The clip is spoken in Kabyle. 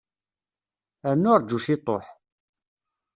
Rnu rju ciṭuḥ.